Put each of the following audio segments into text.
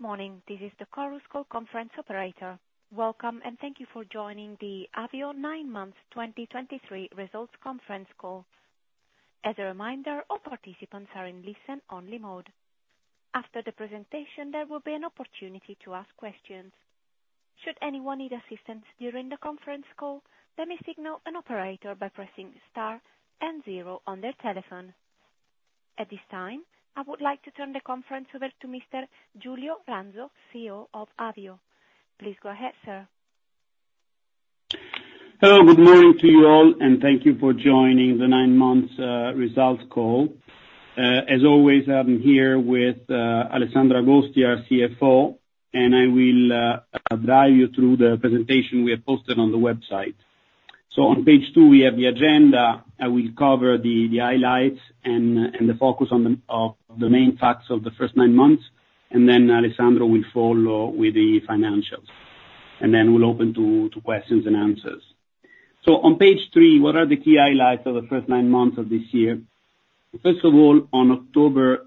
Good morning, this is the Chorus Call Conference Operator. Welcome, and thank you for joining the Avio 9 months 2023 results conference call. As a reminder, all participants are in listen-only mode. After the presentation, there will be an opportunity to ask questions. Should anyone need assistance during the conference call, let me signal an operator by pressing star and zero on their telephone. At this time, I would like to turn the conference over to Mr. Giulio Ranzo, CEO of Avio. Please go ahead, sir. Hello, good morning to you all, and thank you for joining the nine months results call. As always, I'm here with Alessandro Agosti, our CFO, and I will guide you through the presentation we have posted on the website. So on page two, we have the agenda. I will cover the highlights and the focus on the main facts of the first nine months, and then Alessandro will follow with the financials. And then we'll open to questions and answers. So on page three, what are the key highlights of the first nine months of this year? First of all, on October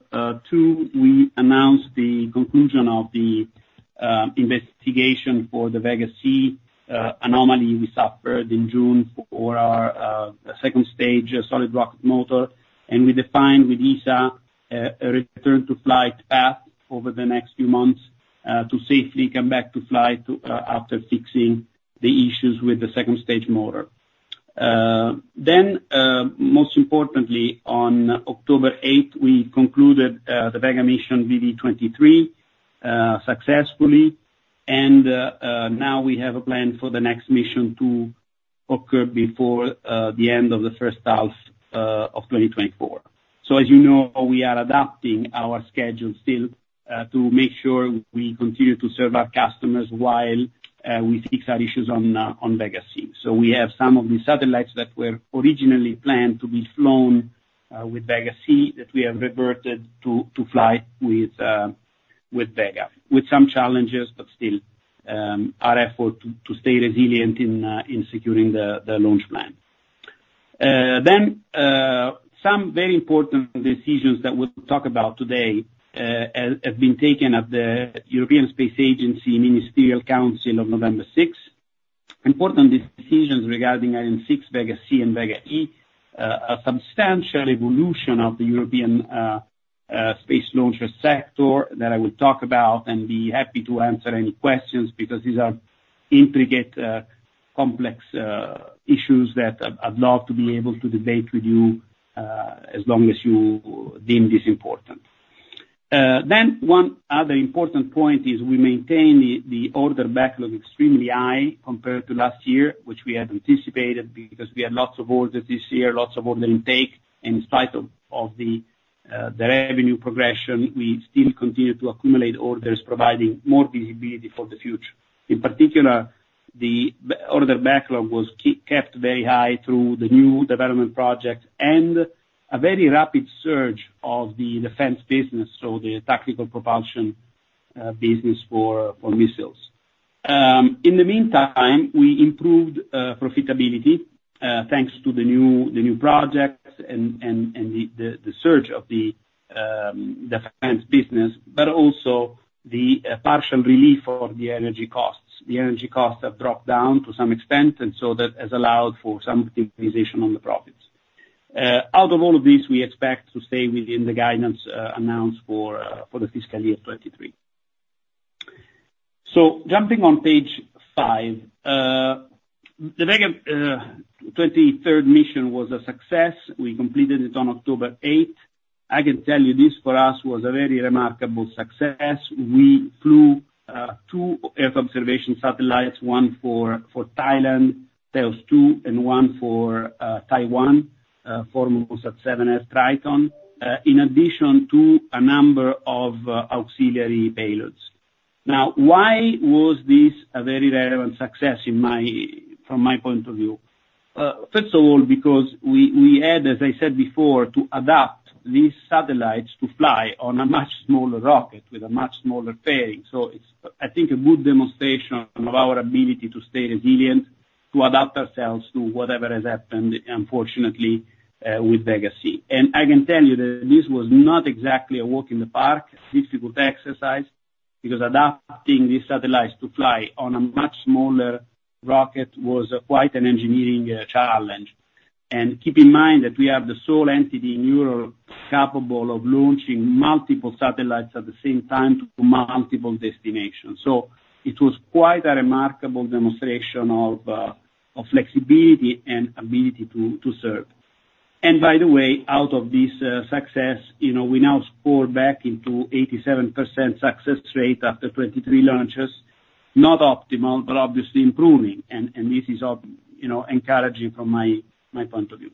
2, we announced the conclusion of the investigation for the Vega C anomaly we suffered in June for our second stage solid rocket motor. And we defined with ESA a return to flight path over the next few months to safely come back to flight after fixing the issues with the second stage motor. Then, most importantly, on October 8, we concluded the Vega mission VV23 successfully, and now we have a plan for the next mission to occur before the end of the first half of 2024. So as you know, we are adapting our schedule still to make sure we continue to serve our customers while we fix our issues on Vega C. So we have some of the satellites that were originally planned to be flown with Vega C, that we have reverted to fly with Vega, with some challenges, but still, our effort to stay resilient in securing the launch plan. Then some very important decisions that we'll talk about today have been taken at the European Space Agency Ministerial Council on November sixth. Important decisions regarding Ariane 6, Vega C and Vega E. A substantial evolution of the European space launcher sector, that I will talk about and be happy to answer any questions, because these are intricate complex issues that I'd love to be able to debate with you, as long as you deem this important. Then one other important point is we maintain the order backlog extremely high compared to last year, which we had anticipated, because we had lots of orders this year, lots of order intake. In spite of the revenue progression, we still continue to accumulate orders, providing more visibility for the future. In particular, the order backlog was kept very high through the new development projects, and a very rapid surge of the defense business, so the tactical propulsion business for missiles. In the meantime, we improved profitability thanks to the new projects and the surge of the defense business, but also the partial relief of the energy costs. The energy costs have dropped down to some extent, and so that has allowed for some optimization on the profits. Out of all of this, we expect to stay within the guidance announced for the fiscal year 2023. So, jumping on page five, the Vega 23rd mission was a success. We completed it on October 8. I can tell you, this, for us, was a very remarkable success. We flew two Earth observation satellites, one for Thailand, THEOS-2, and one for Taiwan, FORMOSAT-7R/TRITON, in addition to a number of auxiliary payloads. Now, why was this a very relevant success in my... From my point of view? First of all, because we had, as I said before, to adapt these satellites to fly on a much smaller rocket, with a much smaller payload. So it's, I think, a good demonstration of our ability to stay resilient, to adapt ourselves to whatever has happened, unfortunately, with Vega C. And I can tell you that this was not exactly a walk in the park, a difficult exercise, because adapting these satellites to fly on a much smaller rocket was quite an engineering challenge. And keep in mind that we are the sole entity in Europe capable of launching multiple satellites at the same time, to multiple destinations. So it was quite a remarkable demonstration of flexibility and ability to serve. And by the way, out of this success, you know, we now score back into 87% success rate after 23 launches. Not optimal, but obviously improving, and this is, you know, encouraging from my point of view.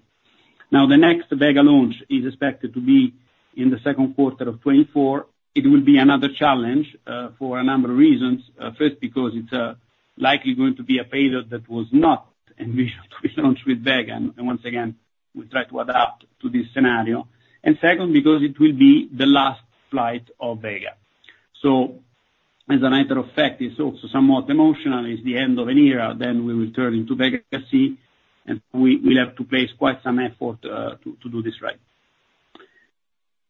Now, the next Vega launch is expected to be in the second quarter of 2024. It will be another challenge for a number of reasons. First, because it's likely going to be a payload that was not envisioned to be launched with Vega, and once again, we try to adapt to this scenario. And second, because it will be the last flight of Vega. And as a matter of fact, it's also somewhat emotional, it's the end of an era, then we will turn into legacy, and we, we'll have to place quite some effort to do this right.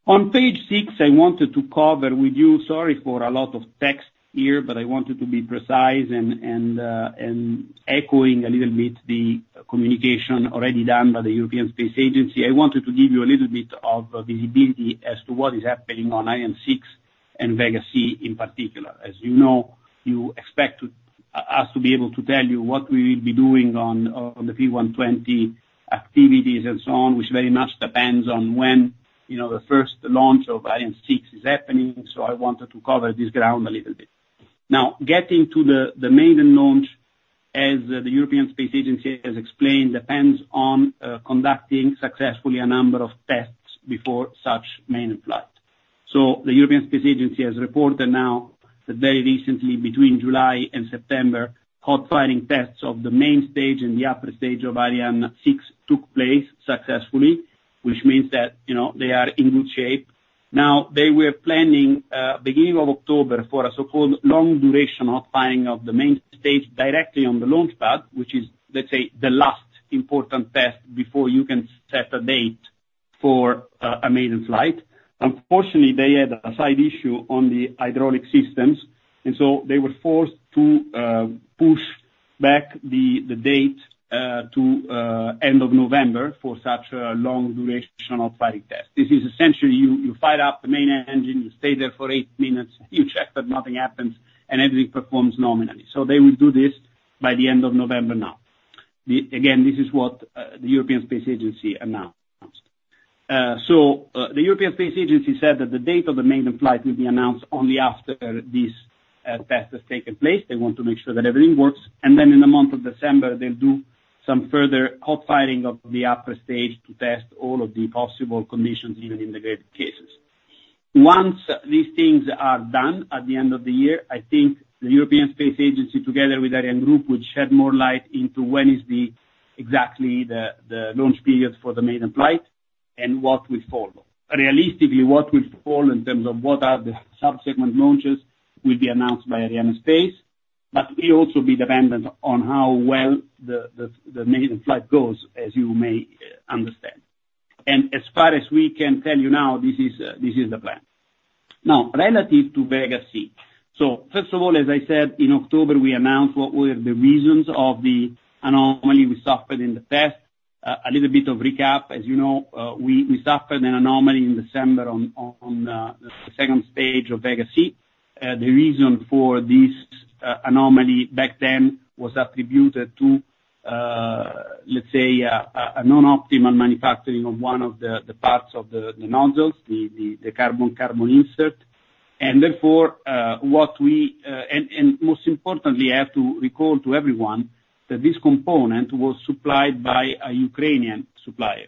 On page six, I wanted to cover with you, sorry for a lot of text here, but I wanted to be precise and echoing a little bit the communication already done by the European Space Agency. I wanted to give you a little bit of visibility as to what is happening on Ariane 6 and Vega C in particular. As you know, you expect us to be able to tell you what we will be doing on, on the P120 activities, and so on, which very much depends on when, you know, the first launch of Ariane 6 is happening. So I wanted to cover this ground a little bit. Now, getting to the maiden launch, as the European Space Agency has explained, depends on conducting successfully a number of tests before such maiden flight. So the European Space Agency has reported now that very recently, between July and September, hot firing tests of the main stage and the upper stage of Ariane 6 took place successfully, which means that, you know, they are in good shape. Now, they were planning, beginning of October for a so-called long duration hot firing of the main stage, directly on the launch pad, which is, let's say, the last important test before you can set a date for, a maiden flight. Unfortunately, they had a slight issue on the hydraulic systems, and so they were forced to, push back the, the date, to, end of November for such a long durational firing test. This is essentially, you, you fire up the main engine, you stay there for eight minutes, you check that nothing happens, and everything performs nominally. So they will do this by the end of November now. Again, this is what, the European Space Agency announced. So, the European Space Agency said that the date of the maiden flight will be announced only after this test has taken place. They want to make sure that everything works, and then in the month of December, they'll do some further hot firing of the upper stage to test all of the possible conditions, even in the great cases. Once these things are done at the end of the year, I think the European Space Agency, together with ArianeGroup, would shed more light into when is exactly the launch period for the maiden flight, and what will follow. Realistically, what will follow in terms of what are the subsequent launches, will be announced by Arianespace, but will also be dependent on how well the maiden flight goes, as you may understand. As far as we can tell you now, this is the plan. Now, relative to Vega C. So first of all, as I said, in October, we announced what were the reasons of the anomaly we suffered in the past. A little bit of recap, as you know, we suffered an anomaly in December on the second stage of Vega C. The reason for this anomaly back then was attributed to, let's say, a non-optimal manufacturing on one of the parts of the nozzles, the carbon-carbon insert. And most importantly, I have to recall to everyone that this component was supplied by a Ukrainian supplier.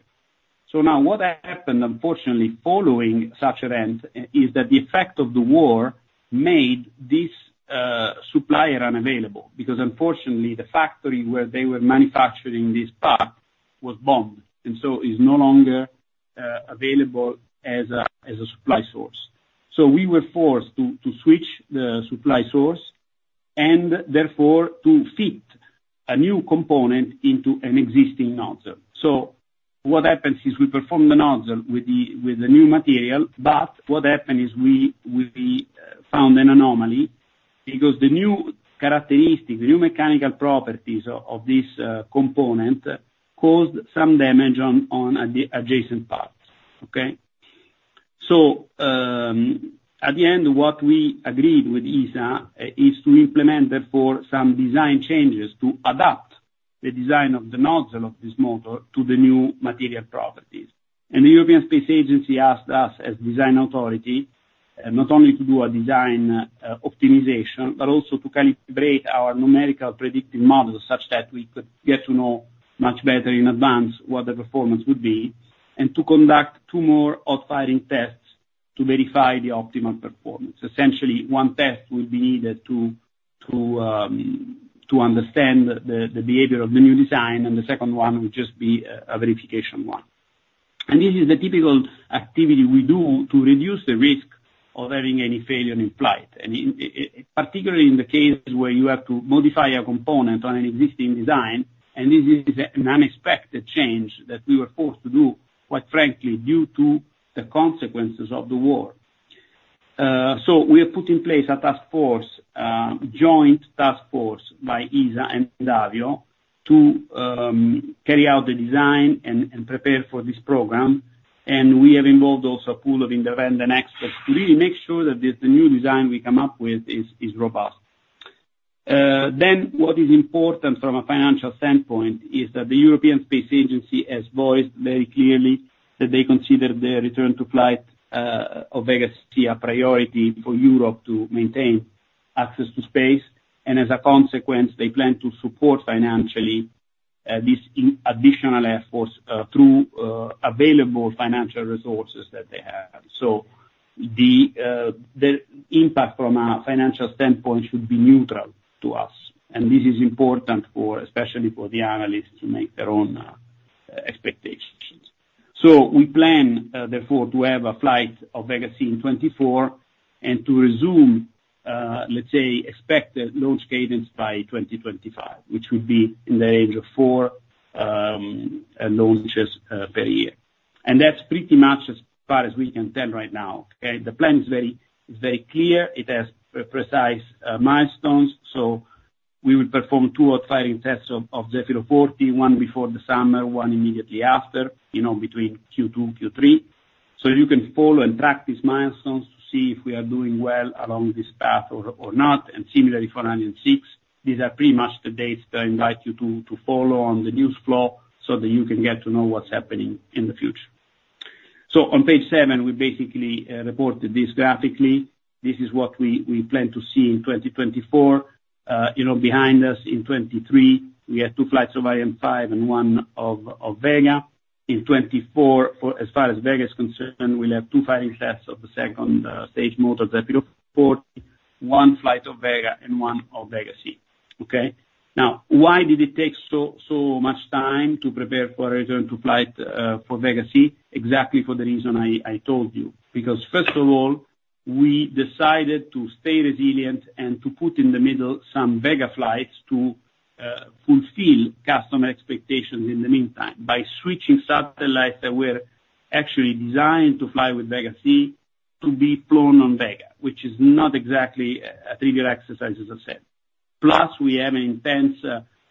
So now, what happened, unfortunately, following such event, is that the effect of the war made this supplier unavailable, because unfortunately, the factory where they were manufacturing this part was bombed, and so is no longer available as a supply source. So we were forced to switch the supply source, and therefore, to fit a new component into an existing nozzle. So what happens is, we perform the nozzle with the new material, but what happened is we found an anomaly, because the new characteristic, the new mechanical properties of this component, caused some damage on the adjacent parts. Okay? So, at the end, what we agreed with ESA is to implement therefore, some design changes to adapt the design of the nozzle of this motor to the new material properties. The European Space Agency asked us, as design authority, not only to do a design optimization, but also to calibrate our numerical predictive models, such that we could get to know much better in advance what the performance would be, and to conduct two more hot firing tests to verify the optimal performance. Essentially, one test will be needed to understand the behavior of the new design, and the second one would just be a verification one. This is the typical activity we do to reduce the risk of having any failure in flight. Particularly in the cases where you have to modify a component on an existing design, and this is an unexpected change that we were forced to do, quite frankly, due to the consequences of the war. So we have put in place a task force, joint task force by ESA and Avio, to carry out the design and prepare for this program. And we have involved also a pool of independent experts, to really make sure that the new design we come up with is robust. Then, what is important from a financial standpoint, is that the European Space Agency has voiced very clearly that they consider their return to flight of Vega C a priority for Europe to maintain access to space, and as a consequence, they plan to support financially this additional effort through available financial resources that they have. So the impact from a financial standpoint should be neutral to us, and this is important for, especially for the analysts to make their own expectations. So we plan, therefore, to have a flight of Vega C in 2024, and to resume, let's say, expect the launch cadence by 2025, which will be in the range of four launches per year. And that's pretty much as far as we can tell right now. Okay? The plan is very, very clear. It has precise milestones, so we will perform two hot firing tests of Zefiro-40, one before the summer, one immediately after, you know, between Q2, Q3. So you can follow and track these milestones to see if we are doing well along this path or not, and similarly for Ariane 6. These are pretty much the dates that I invite you to follow on the news flow, so that you can get to know what's happening in the future. On page seven, we basically reported this graphically. This is what we plan to see in 2024. You know, behind us in 2023, we had two flights of Ariane 5 and one of Vega. In 2024, for as far as Vega is concerned, we'll have two firing tests of the second stage motor Zefiro-40, one flight of Vega and one of Vega C. Okay? Now, why did it take so much time to prepare for a return to flight for Vega C? Exactly for the reason I told you. Because first of all, we decided to stay resilient and to put in the middle some Vega flights to fulfill customer expectations in the meantime, by switching satellites that were actually designed to fly with Vega C to be flown on Vega, which is not exactly a trivial exercise, as I said. Plus, we have an intense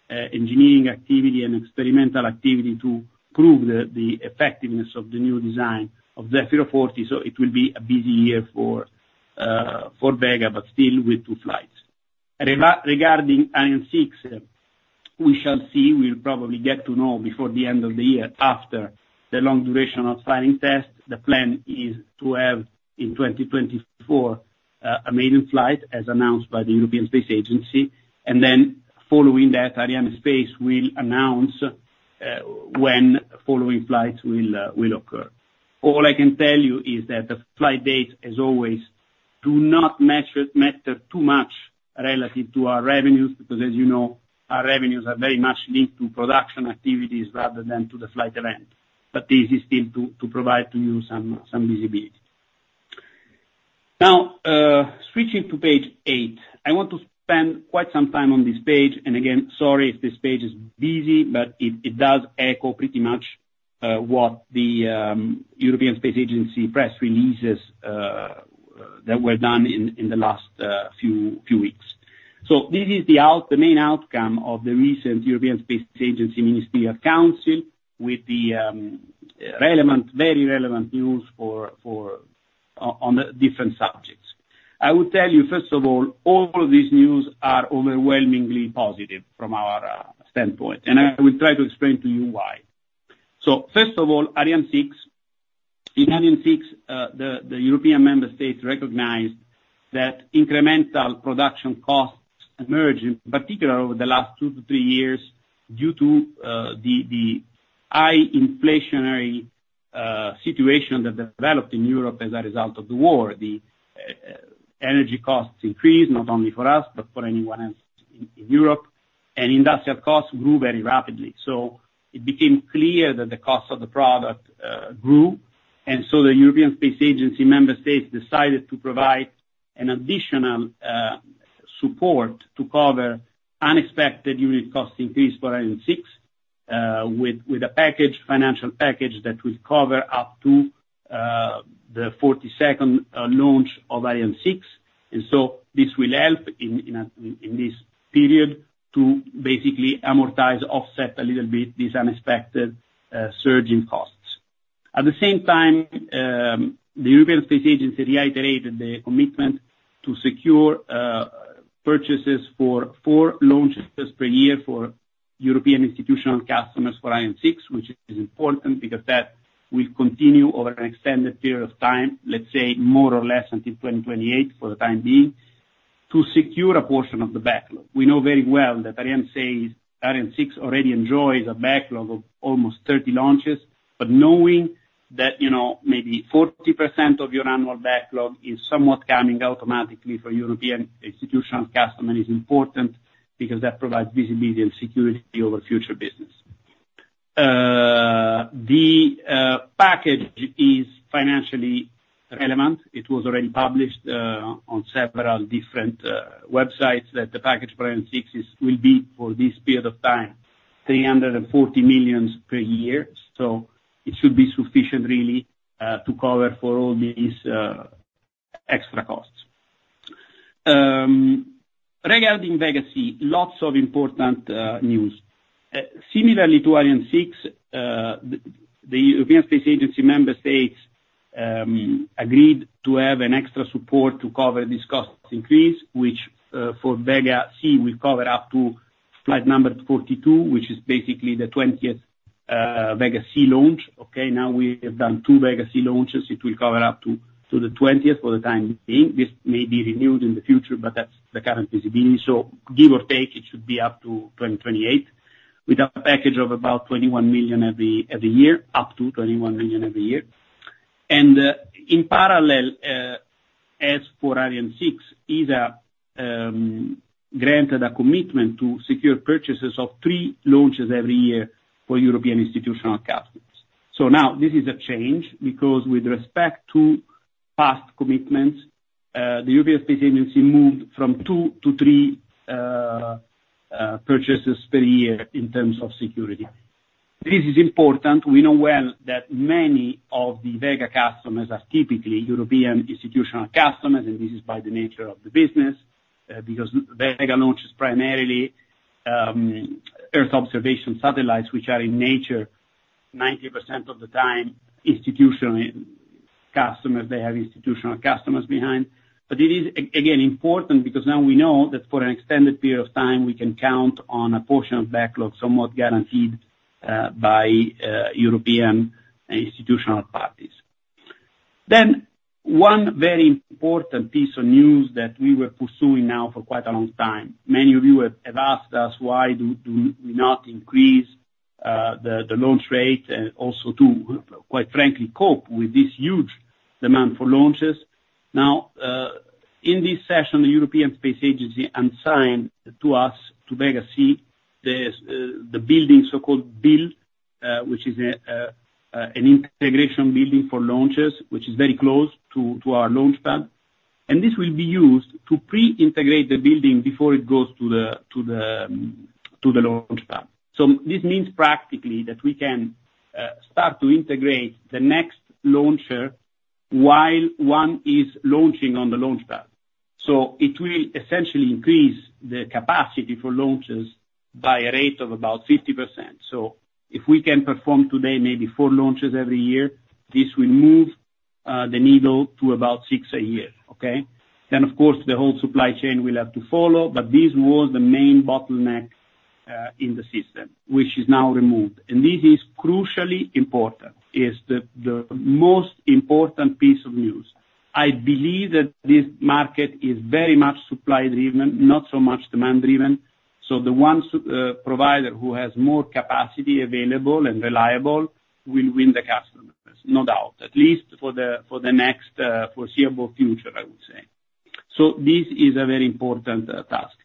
engineering activity and experimental activity to prove the effectiveness of the new design of Zefiro-40, so it will be a busy year for Vega, but still with two flights. Regarding Ariane 6, we shall see. We'll probably get to know before the end of the year, after the long duration of firing test. The plan is to have, in 2024, a maiden flight, as announced by the European Space Agency, and then following that, Arianespace will announce when following flights will occur. All I can tell you is that the flight date, as always, do not matter too much relative to our revenues, because as you know, our revenues are very much linked to production activities rather than to the flight event. But this is still to provide to you some visibility. Now, switching to page eight. I want to spend quite some time on this page, and again, sorry if this page is busy, but it does echo pretty much what the European Space Agency press releases that were done in the last few weeks. This is the main outcome of the recent European Space Agency Ministerial Council, with the relevant, very relevant news for on the different subjects. I will tell you, first of all, all of these news are overwhelmingly positive from our standpoint, and I will try to explain to you why. First of all, Ariane 6. In Ariane 6, the European member states recognized that incremental production costs emerged, in particular, over the last 2-3 years, due to the high inflationary situation that developed in Europe as a result of the war. The energy costs increased, not only for us, but for anyone else in Europe, and industrial costs grew very rapidly. It became clear that the cost of the product grew, and so the European Space Agency member states decided to provide an additional support to cover unexpected unit cost increase for Ariane 6 with a financial package that will cover up to the 42nd launch of Ariane 6. And so this will help in this period to basically amortize, offset a little bit, this unexpected surge in costs. At the same time, the European Space Agency reiterated the commitment to secure purchases for 4 launches per year for European institutional customers for Ariane 6, which is important, because that will continue over an extended period of time, let's say more or less, until 2028, for the time being, to secure a portion of the backlog. We know very well that Ariane 6, Ariane 6 already enjoys a backlog of almost 30 launches, but knowing that, you know, maybe 40% of your annual backlog is somewhat coming automatically for European institutional customer, is important, because that provides visibility and security over future business. The package is financially relevant. It was already published on several different websites, that the package for Ariane 6 is, will be for this period of time, 340 million per year. So it should be sufficient really to cover for all these extra costs. Regarding Vega C, lots of important news. Similarly to Ariane 6, the European Space Agency member states agreed to have an extra support to cover this cost increase, which for Vega C will cover up to flight number 42, which is basically the 20th Vega C launch. Okay, now we have done 2 Vega C launches, it will cover up to the 20th for the time being. This may be renewed in the future, but that's the current visibility. So give or take, it should be up to 2028, with a package of about 21 million every year, up to 21 million every year. In parallel, as for Ariane 6, is granted a commitment to secure purchases of 3 launches every year for European institutional customers. So now, this is a change, because with respect to past commitments, the European Space Agency moved from 2 to 3 purchases per year in terms of security. This is important. We know well that many of the Vega customers are typically European institutional customers, and this is by the nature of the business, because Vega launches primarily earth observation satellites, which are in nature 90% of the time, institutional customers. They have institutional customers behind. But it is again, important, because now we know that for an extended period of time, we can count on a portion of backlog somewhat guaranteed by European institutional parties. Then, one very important piece of news that we were pursuing now for quite a long time. Many of you have asked us why do we not increase the launch rate, and also, quite frankly, cope with this huge demand for launches. Now, in this session, the European Space Agency assigned to us, to Vega C, the so-called building, which is an integration building for launches, which is very close to our launch pad. And this will be used to pre-integrate the building before it goes to the launch pad. So this means practically that we can start to integrate the next launcher while one is launching on the launch pad. So it will essentially increase the capacity for launches by a rate of about 50%. So if we can perform today, maybe 4 launches every year, this will move the needle to about 6 a year, okay? Then, of course, the whole supply chain will have to follow, but this was the main bottleneck in the system, which is now removed. And this is crucially important, is the most important piece of news. I believe that this market is very much supply-driven, not so much demand-driven, so the ones provider who has more capacity available and reliable, will win the customers, no doubt, at least for the next foreseeable future, I would say. So this is a very important task.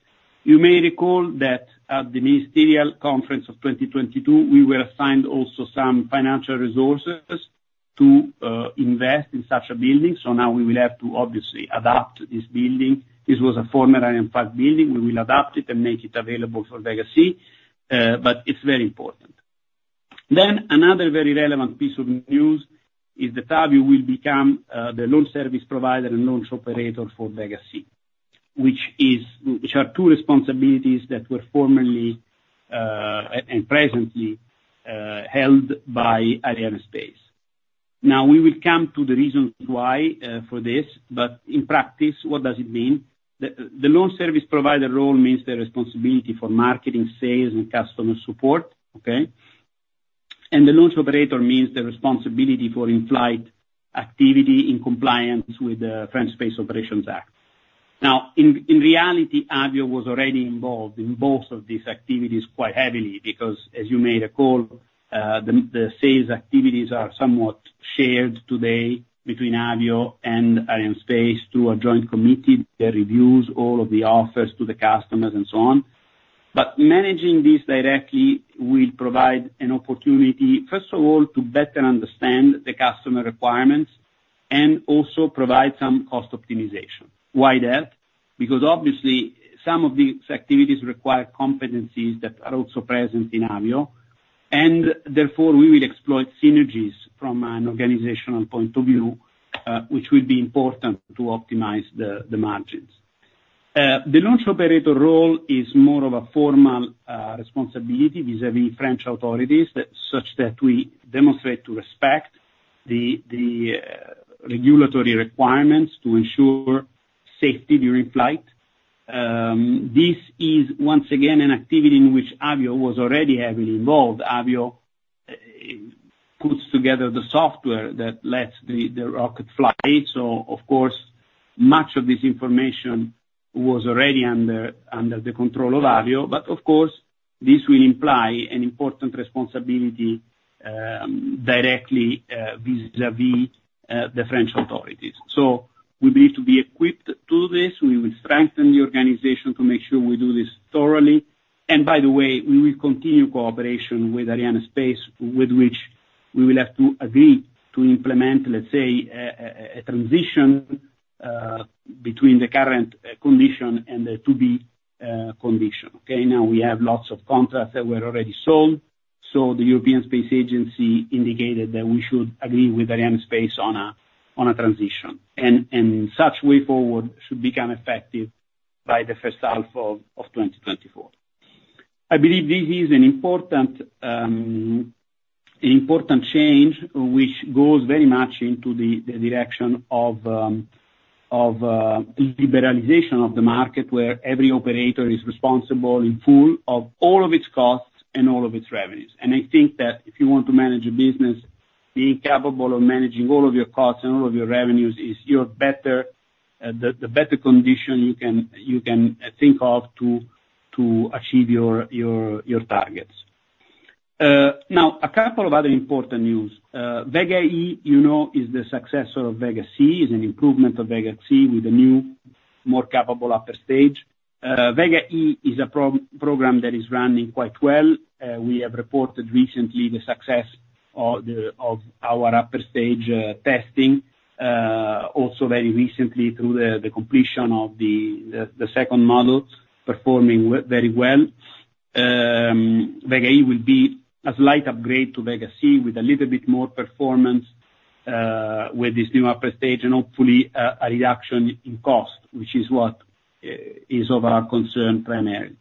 You may recall that at the Ministerial Conference of 2022, we were assigned also some financial resources to invest in such a building, so now we will have to obviously adapt this building. This was a former five building. We will adapt it and make it available for Vega C, but it's very important. Then, another very relevant piece of news is that Avio will become the launch service provider and launch operator for Vega C, which are two responsibilities that were formerly and presently held by Arianespace. Now, we will come to the reasons why for this, but in practice, what does it mean? The launch service provider role means the responsibility for marketing, sales, and customer support, okay? And the launch operator means the responsibility for in-flight activity in compliance with the French Space Operations Act. Now, in reality, Avio was already involved in both of these activities quite heavily, because as you may recall, the sales activities are somewhat shared today between Avio and Arianespace to a joint committee that reviews all of the offers to the customers, and so on. But managing this directly will provide an opportunity, first of all, to better understand the customer requirements, and also provide some cost optimization. Why that? Because obviously, some of these activities require competencies that are also present in Avio, and therefore, we will exploit synergies from an organizational point of view, which will be important to optimize the margins. The launch operator role is more of a formal responsibility vis-a-vis French authorities, such that we demonstrate to respect the regulatory requirements to ensure safety during flight. This is once again, an activity in which Avio was already heavily involved. Avio puts together the software that lets the rocket fly. So of course, much of this information was already under the control of Avio, but of course, this will imply an important responsibility directly vis-a-vis the French authorities. So we need to be equipped to this. We will strengthen the organization to make sure we do this thoroughly. And by the way, we will continue cooperation with Arianespace, with which we will have to agree to implement, let's say, a transition between the current condition and the to-be condition. Okay, now we have lots of contracts that were already sold, so the European Space Agency indicated that we should agree with Arianespace on a transition. And such way forward should become effective by the first half of 2024. I believe this is an important, important change, which goes very much into the, the direction of, liberalization of the market, where every operator is responsible in full of all of its costs and all of its revenues. And I think that if you want to manage a business, being capable of managing all of your costs and all of your revenues, is your better... the, the better condition you can, you can, think of to, to achieve your, your, your targets. Now, a couple of other important news. Vega E, you know, is the successor of Vega C, is an improvement of Vega C with a new, more capable upper stage. Vega E is a program that is running quite well. We have reported recently the success of our upper stage testing. Also very recently, through the completion of the second model, performing very well. Vega E will be a slight upgrade to Vega C, with a little bit more performance, with this new upper stage, and hopefully, a reduction in cost, which is what is of our concern primarily.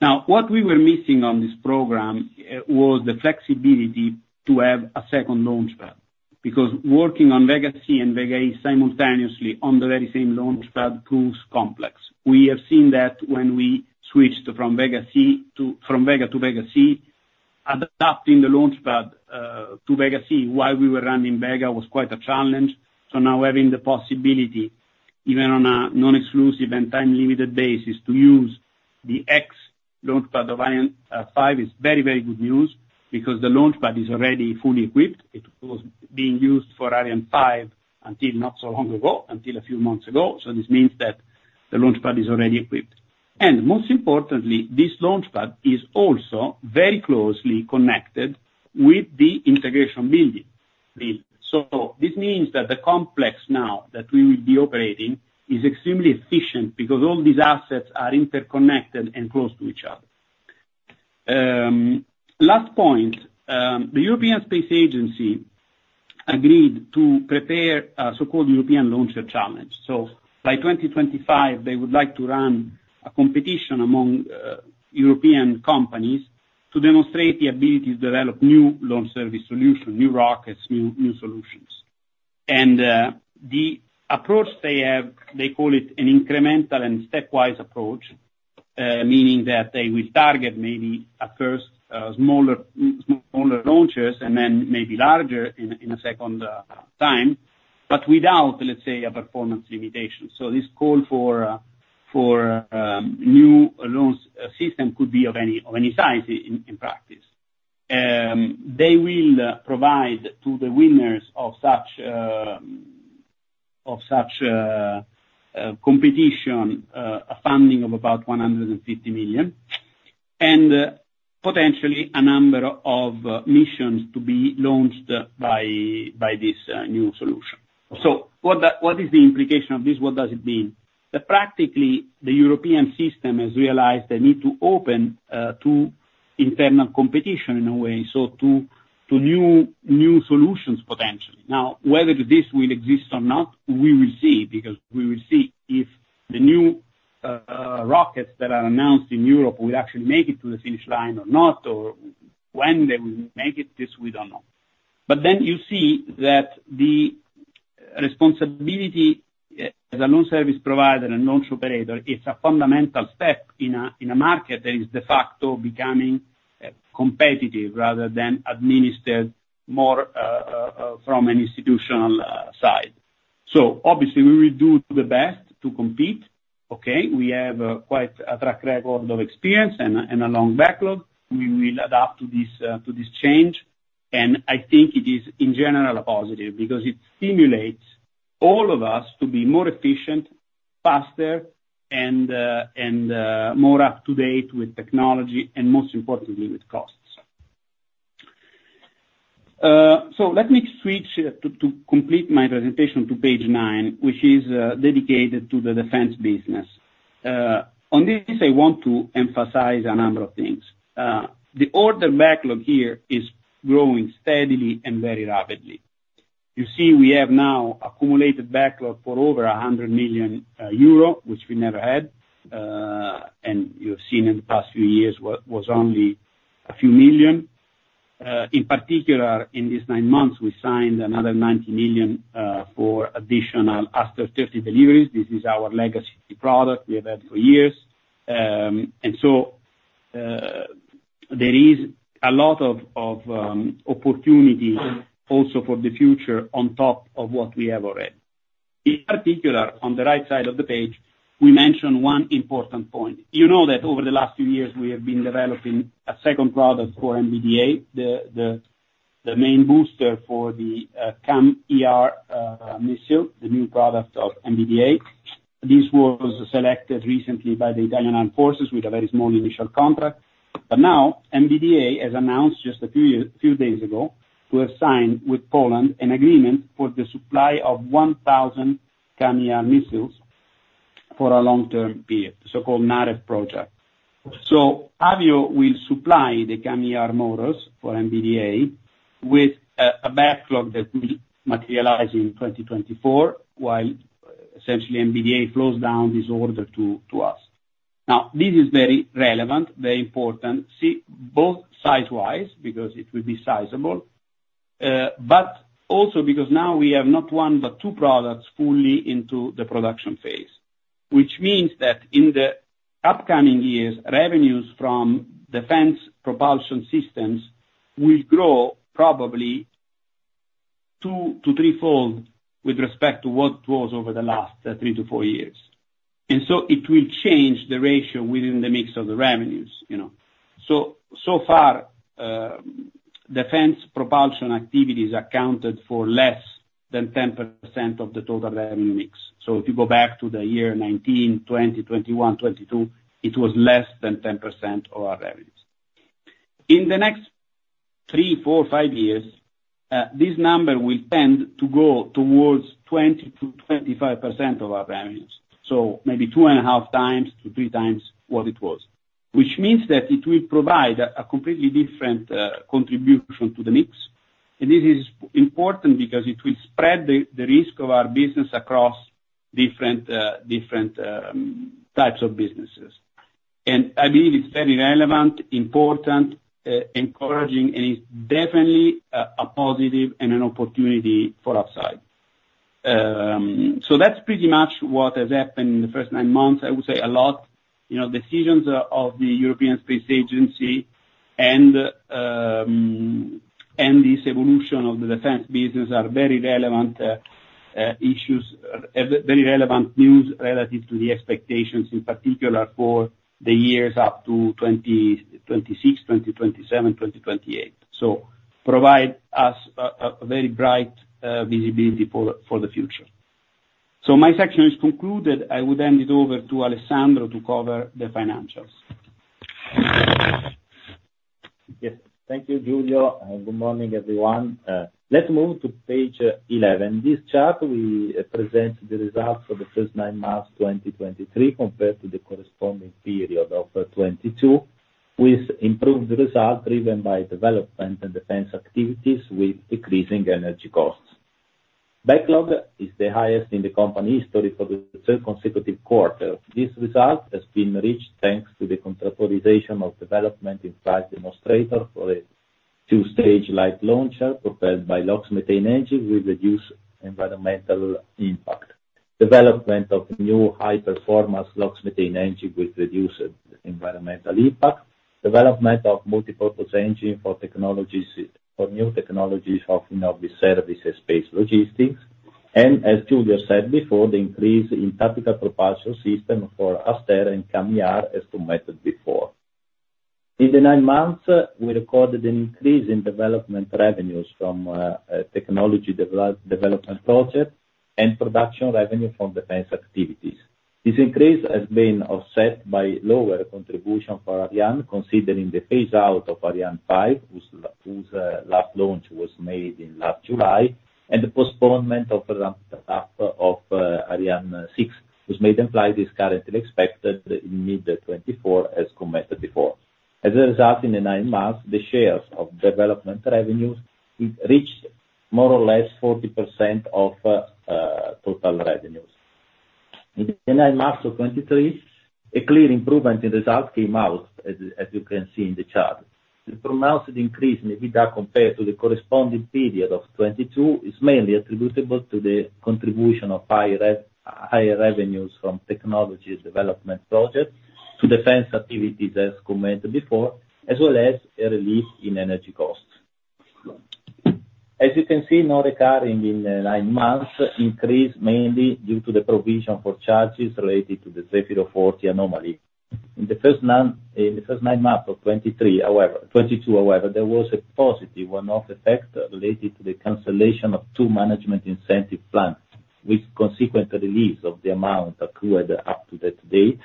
Now, what we were missing on this program was the flexibility to have a second launch pad, because working on Vega C and Vega E simultaneously on the very same launch pad proves complex. We have seen that when we switched from Vega C to, from Vega to Vega C, adapting the launch pad to Vega C, while we were running Vega, was quite a challenge. So now having the possibility, even on a non-exclusive and time-limited basis, to use the ex launch pad of Ariane 5, is very, very good news, because the launch pad is already fully equipped. It was being used for Ariane 5 until not so long ago, until a few months ago, so this means that the launch pad is already equipped. And most importantly, this launch pad is also very closely connected with the integration building. So this means that the complex now, that we will be operating, is extremely efficient, because all these assets are interconnected and close to each other. Last point, the European Space Agency agreed to prepare a so-called European Launcher Challenge. So by 2025, they would like to run a competition among European companies, to demonstrate the ability to develop new launch service solution, new rockets, new, new solutions. The approach they have, they call it an incremental and stepwise approach, meaning that they will target maybe at first smaller launchers, and then maybe larger in a second time, but without, let's say, a performance limitation. So this call for new launch system could be of any size in practice. They will provide to the winners of such competition a funding of about 150 million, and potentially a number of missions to be launched by this new solution. So what is the implication of this? What does it mean? That practically, the European system has realized the need to open to internal competition, in a way, so to new solutions, potentially. Now, whether this will exist or not, we will see, because we will see if the new rockets that are announced in Europe will actually make it to the finish line or not, or when they will make it, this we don't know. But then you see that the responsibility as a launch service provider and launch operator is a fundamental step in a market that is de facto becoming competitive, rather than administered more from an institutional side. So obviously, we will do to the best to compete, okay? We have quite a track record of experience and a long backlog. We will adapt to this change, and I think it is, in general, a positive, because it stimulates all of us to be more efficient, faster, and more up-to-date with technology, and most importantly, with costs. So let me switch to complete my presentation to page nine, which is dedicated to the defense business. On this, I want to emphasize a number of things. The order backlog here is growing steadily and very rapidly. You see, we have now accumulated backlog for over 100 million euro, which we never had, and you have seen in the past few years was only a few million. In particular, in these nine months, we signed another 90 million for additional ASTER 30 deliveries. This is our legacy product; we have had it for years. And so, there is a lot of opportunity also for the future, on top of what we have already. In particular, on the right side of the page, we mention one important point. You know that over the last few years, we have been developing a second product for MBDA, the main booster for the CAMM-ER missile, the new product of MBDA. This was selected recently by the Italian Armed Forces, with a very small initial contract. But now, MBDA has announced just a few days ago, to have signed with Poland, an agreement for the supply of 1,000 CAMM-ER missiles, for a long-term period, so-called Narew project. So Avio will supply the CAMM-ER motors for MBDA, with a backlog that will materialize in 2024, while essentially, MBDA flows down this order to us. Now, this is very relevant, very important. See, both size-wise, because it will be sizable, but also because now we have not one, but two products fully into the production phase. Which means that in the upcoming years, revenues from defense propulsion systems will grow probably two to threefold with respect to what was over the last 3-4 years. And so it will change the ratio within the mix of the revenues, you know. So, so far, defense propulsion activities accounted for less than 10% of the total revenue mix. So if you go back to the year 2019, 2020, 2021, 2022, it was less than 10% of our revenues. In the next three, four, five years, this number will tend to go towards 20%-25% of our revenues, so maybe 2.5x-3x what it was. Which means that it will provide a completely different contribution to the mix, and this is important because it will spread the risk of our business across different types of businesses. And I believe it's very relevant, important, encouraging, and it's definitely a positive and an opportunity for upside. So that's pretty much what has happened in the first nine months. I would say a lot, you know, decisions of the European Space Agency and and this evolution of the defense business are very relevant issues, very relevant news relative to the expectations, in particular for the years up to 2026, 2027, 2028. So provide us a very bright visibility for the future. So my section is concluded. I would hand it over to Alessandro to cover the financials. Yes. Thank you, Giulio, and good morning, everyone. Let's move to page 11. This chart we present the results for the first nine months, 2023, compared to the corresponding period of 2022, with improved results, driven by development and defense activities, with decreasing energy costs. Backlog is the highest in the company's history for the third consecutive quarter. This result has been reached thanks to the contract authorization of development in flight demonstrator for a two-stage light launcher, propelled by LOX-methane engine, with reduced environmental impact. Development of new high performance LOX-methane engine, with reduced environmental impact. Development of multi-purpose engine for technologies, for new technologies offering of the service and space logistics. And as Giulio said before, the increase in tactical propulsion system for ASTER and CAMM-ER, as committed before. In the nine months, we recorded an increase in development revenues from technology development project and production revenue from defense activities. This increase has been offset by lower contribution for Ariane, considering the phase out of Ariane 5, whose last launch was made in last July, and the postponement of the ramp up of Ariane 6, whose maiden flight is currently expected in mid-2024, as commented before. As a result, in the nine months, the shares of development revenues, it reached more or less 40% of total revenues. In the nine months of 2023, a clear improvement in results came out, as you can see in the chart. The pronounced increase in EBITDA, compared to the corresponding period of 2022, is mainly attributable to the contribution of higher revenues from technology development projects to defense activities, as commented before, as well as a relief in energy costs. As you can see, non-recurring in the nine months increased mainly due to the provision for charges related to the Zefiro-40 anomaly. In the first nine months of 2023, however, 2022, however, there was a positive one-off effect related to the cancellation of two management incentive plans, with consequent release of the amount accrued up to that date.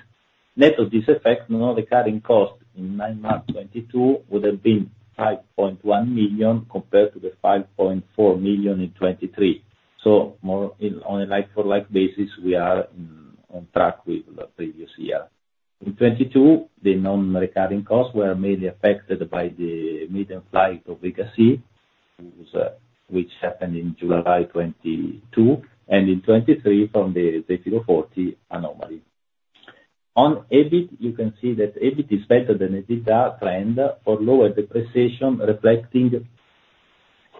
Net of this effect, non-recurring costs in nine months 2022 would have been 5.1 million, compared to the 5.4 million in 2023. So more in, on a like for like basis, we are on track with the previous year. In 2022, the non-recurring costs were mainly affected by the maiden flight of Vega C, which happened in July 2022, and in 2023 from the Zefiro-40 anomaly. On EBIT, you can see that EBIT is better than EBITDA trend for lower depreciation, reflecting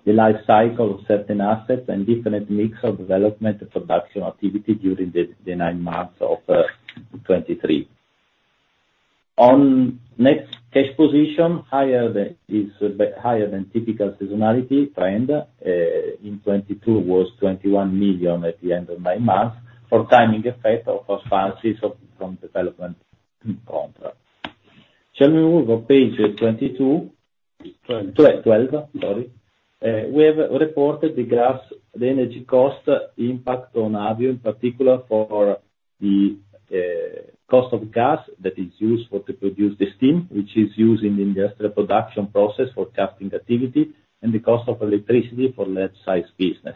the life cycle of certain assets and different mix of development and production activity during the nine months of 2023. On net cash position, higher than typical seasonality trend, in 2022 was 21 million at the end of nine months, for timing effect of advances from development contracts. Shall we move on to page 22? Twelve. Twelve, sorry. We have reported the gas, the energy cost impact on Avio, in particular for the cost of gas that is used to produce the steam, which is used in the industrial production process for casting activity, and the cost of electricity for missile business.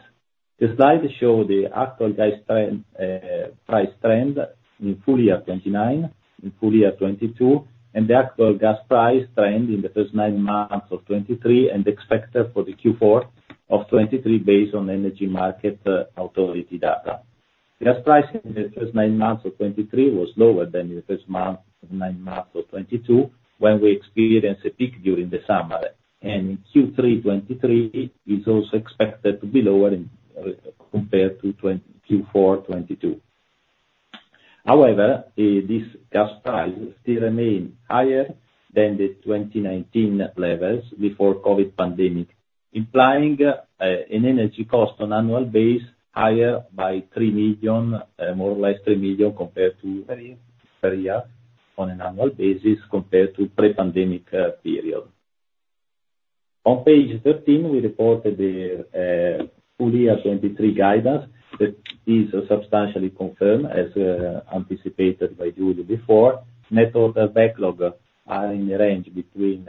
The slides show the actual gas trend, price trend in full year 2023, in full year 2022, and the actual gas price trend in the first nine months of 2023, and expected for the Q4 of 2023, based on energy market authority data. Gas price in the first nine months of 2023 was lower than in the first nine months of 2022, when we experienced a peak during the summer. In Q3 2023, is also expected to be lower compared to Q4 2022. However, this gas price still remains higher than the 2019 levels before COVID pandemic, implying an energy cost on annual basis, higher by 3 million, more or less 3 million compared to per year, per year, on an annual basis, compared to pre-pandemic period. On page 13, we reported the full year 2023 guidance, that is substantially confirmed, as anticipated by Giulio before. Net order backlog is in the range between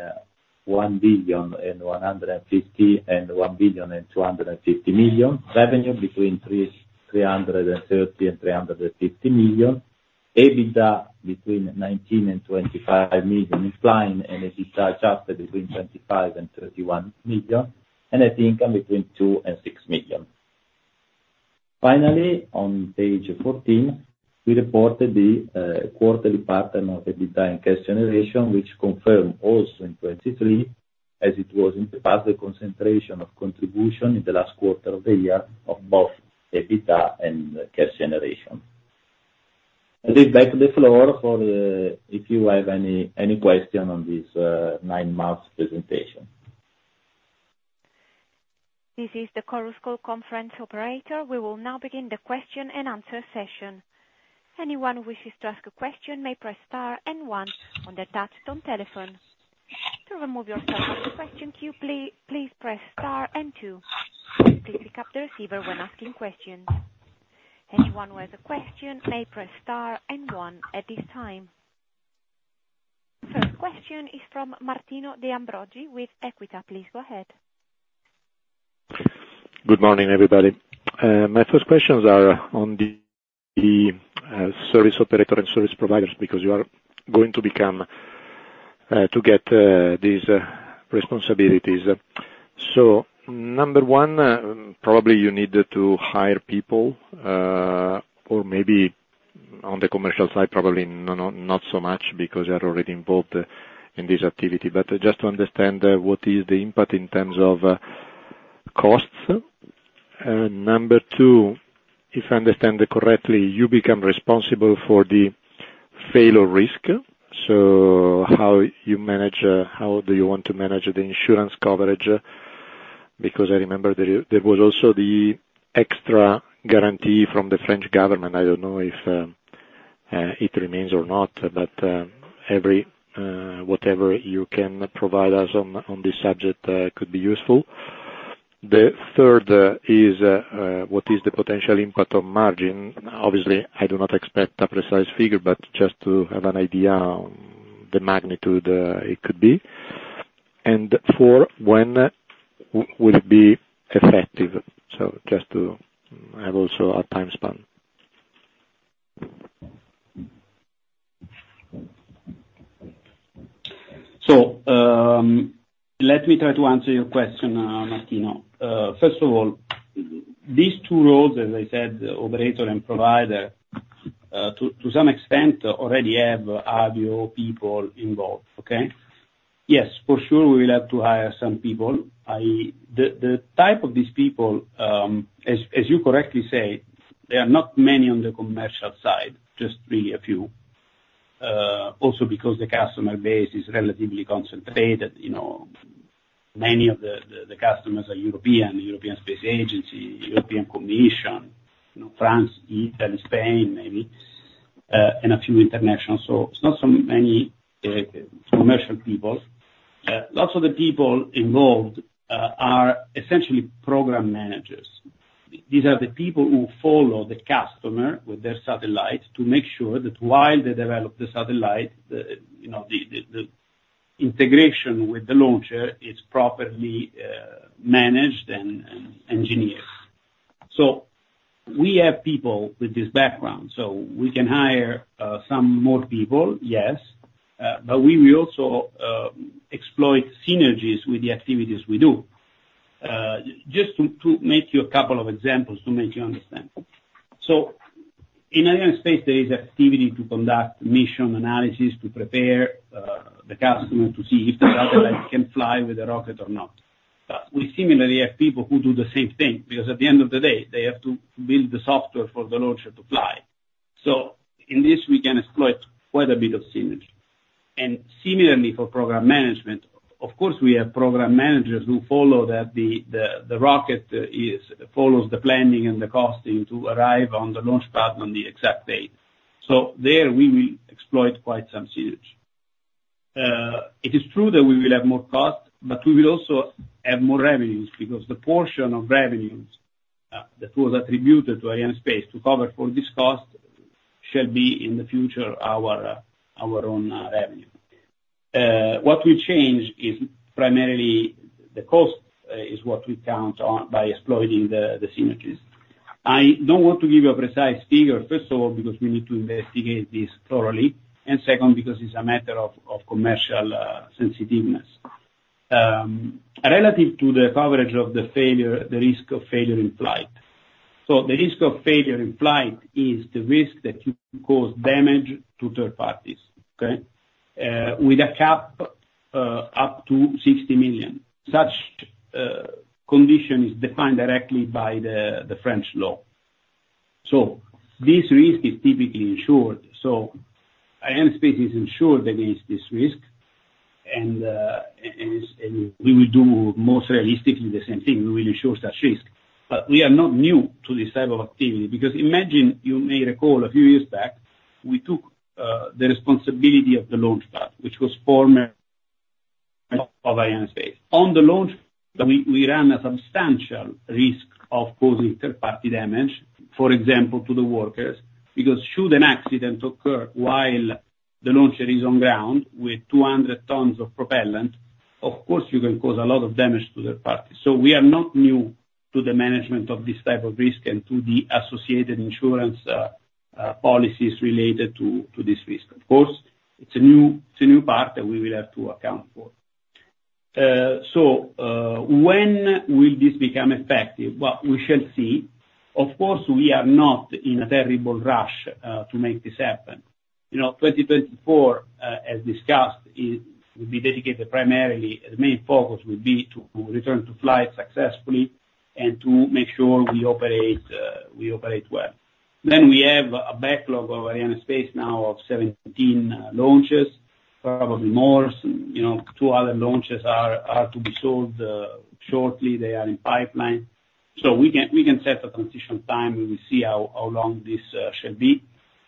1.15 billion and 1.25 billion. Revenue between 330 million and 350 million. EBITDA between 19 million and 25 million, implying an EBITDA adjusted between 25 million and 31 million, and a net income between 2 million and 6 million. Finally, on page 14, we reported the quarterly pattern of EBITDA and cash generation, which confirmed also in 2023, as it was in the past, the concentration of contribution in the last quarter of the year of both EBITDA and cash generation. I give back to the floor for if you have any, any question on this nine-month presentation. This is the Chorus Call Conference Operator. We will now begin the question and answer session. Anyone who wishes to ask a question may press star and one on their touchtone telephone. To remove yourself from the question queue, please press star and two. Please pick up the receiver when asking questions. Anyone who has a question may press star and one at this time. First question is from Martino De Ambroggi with Equita. Please go ahead. Good morning, everybody. My first questions are on the service operator and service providers, because you are going to become to get these responsibilities. So, number one, probably you need to hire people, or maybe on the commercial side, probably not so much, because you are already involved in this activity. But just to understand, what is the impact in terms of costs? And number two, if I understand correctly, you become responsible for the failure risk. So how you manage, how do you want to manage the insurance coverage? Because I remember there, there was also the extra guarantee from the French government. I don't know if it remains or not, but every whatever you can provide us on this subject could be useful. The third is, what is the potential impact on margin? Obviously, I do not expect a precise figure, but just to have an idea on the magnitude, it could be. And four, when will it be effective? So just to have also a time span. So, let me try to answer your question, Martino. First of all, these two roles, as I said, operator and provider, to some extent, already have Avio people involved, okay? Yes, for sure, we will have to hire some people. The type of these people, as you correctly say, they are not many on the commercial side, just really a few. Also because the customer base is relatively concentrated, you know. Many of the customers are European, European Space Agency, you know, France, Italy, Spain, maybe, and a few international. So it's not so many commercial people. Lots of the people involved are essentially program managers. These are the people who follow the customer with their satellite, to make sure that while they develop the satellite, the, you know, integration with the launcher is properly, managed and engineered. So we have people with this background. So we can hire, some more people, yes, but we will also, exploit synergies with the activities we do. Just to make you a couple of examples to make you understand. So in Arianespace, there is activity to conduct mission analysis, to prepare, the customer, to see if the satellite can fly with a rocket or not. But we similarly have people who do the same thing, because at the end of the day, they have to build the software for the launcher to fly. So in this, we can exploit quite a bit of synergy. And similarly, for program management, of course, we have program managers who follow that the rocket follows the planning and the costing to arrive on the launch pad on the exact date. So there, we will exploit quite some synergy. It is true that we will have more costs, but we will also have more revenues. Because the portion of revenues that was attributed to Arianespace to cover for this cost shall be, in the future, our own revenue. What we change is primarily the cost is what we count on by exploiting the synergies. I don't want to give you a precise figure, first of all, because we need to investigate this thoroughly, and second, because it's a matter of commercial sensitiveness. Relative to the coverage of the failure, the risk of failure in flight. So the risk of failure in flight is the risk that you cause damage to third parties, okay? With a cap up to 60 million, such condition is defined directly by the French law. So this risk is typically insured. So Arianespace is insured against this risk, and we will do most realistically the same thing, we will insure such risk. But we are not new to this type of activity, because imagine, you may recall a few years back, we took the responsibility of the launch pad, which was former of Arianespace. On the launch, we ran a substantial risk of causing third-party damage, for example, to the workers, because should an accident occur while the launcher is on ground with 200 tons of propellant, of course, you can cause a lot of damage to the party. So we are not new to the management of this type of risk, and to the associated insurance policies related to this risk. Of course, it's a new part that we will have to account for. So, when will this become effective? Well, we shall see. Of course, we are not in a terrible rush to make this happen. You know, 2024, as discussed, will be dedicated primarily, the main focus will be to return to flight successfully, and to make sure we operate well. Then we have a backlog of Arianespace now of 17 launches, probably more. You know, two other launches are to be sold shortly, they are in pipeline. So we can set a transition time, and we see how long this shall be.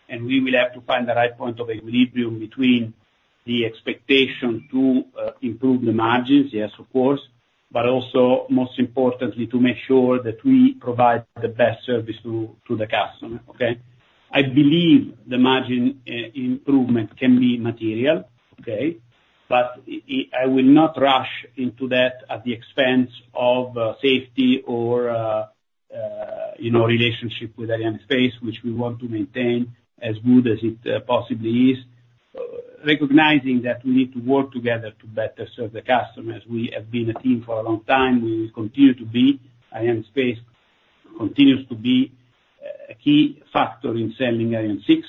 We will have to find the right point of equilibrium between the expectation to improve the margins, yes, of course, but also, most importantly, to make sure that we provide the best service to the customer, okay? I believe the margin improvement can be material, okay? I will not rush into that at the expense of safety or you know, relationship with Arianespace, which we want to maintain as good as it possibly is. Recognizing that we need to work together to better serve the customers. We have been a team for a long time, we will continue to be. Arianespace continues to be a key factor in selling Ariane 6,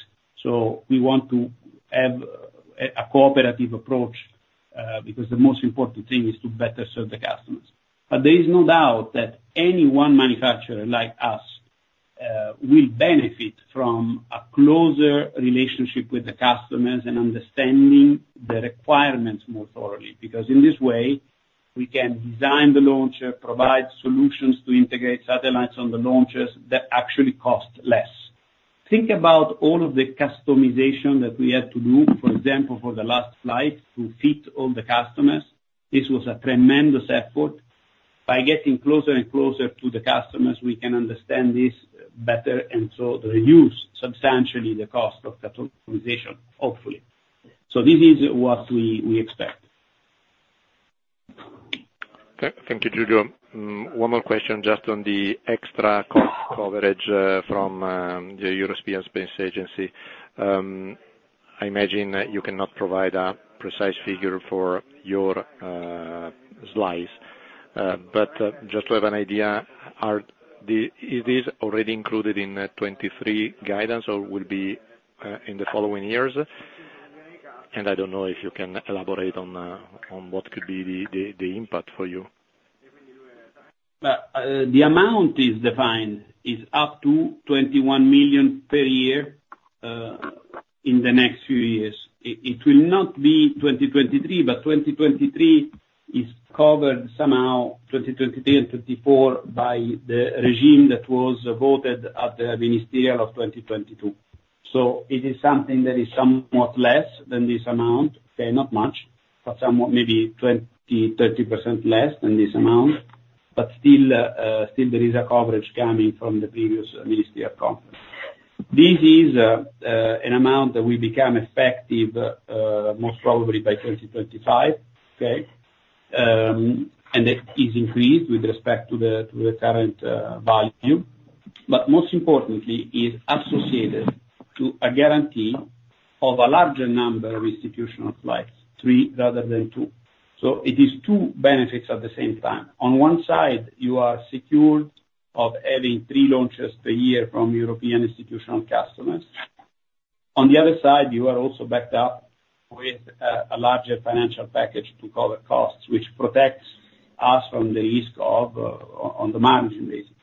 so we want to have a cooperative approach because the most important thing is to better serve the customers. But there is no doubt that any one manufacturer like us, will benefit from a closer relationship with the customers, and understanding the requirements more thoroughly. Because in this way, we can design the launcher, provide solutions to integrate satellites on the launchers, that actually cost less. Think about all of the customization that we had to do, for example, for the last flight, to fit all the customers. This was a tremendous effort. By getting closer and closer to the customers, we can understand this better, and so reduce substantially the cost of customization, hopefully. So this is what we expect. Okay, thank you, Giulio. One more question, just on the extra cost coverage from the European Space Agency. I imagine that you cannot provide a precise figure for your slice, but just to have an idea, it is already included in 2023 guidance, or will be in the following years? And I don't know if you can elaborate on what could be the impact for you. The amount is defined, is up to 21 million per year, in the next few years. It will not be 2023, but 2023 is covered somehow, 2023 and 2024, by the regime that was voted at the ministerial of 2022. So it is something that is somewhat less than this amount, okay, not much, but somewhat maybe 20%-30% less than this amount. But still, still there is a coverage coming from the previous ministerial conference. This is an amount that will become effective, most probably by 2025, okay? And it is increased with respect to the, to the current, value, but most importantly, is associated to a guarantee of a larger number of institutional flights, three rather than two. So it is two benefits at the same time. On one side, you are secured of having three launches per year from European institutional customers. On the other side, you are also backed up with a larger financial package to cover costs, which protects us from the risk of on the margin, basically.